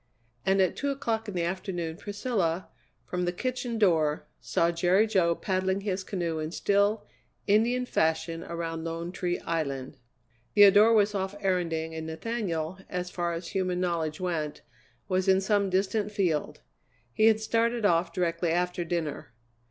And at two o'clock in the afternoon Priscilla, from the kitchen door, saw Jerry Jo paddling his canoe in still, Indian fashion around Lone Tree Island. Theodora was off erranding, and Nathaniel, as far as human knowledge went, was in some distant field; he had started off directly after dinner.